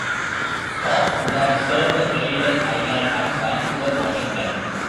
Stops would have served Hayden Island and Vancouver, Washington.